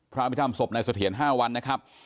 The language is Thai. พระพิธรรมศพนายเสถียร๕วันนะครับ